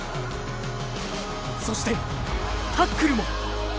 そしてタックルも。